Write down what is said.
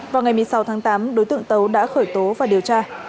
vào ngày một mươi sáu tháng tám đối tượng tấu đã khởi tố và điều tra